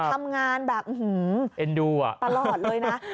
ทำงานแบบอื้อหือปลอดเลยนะ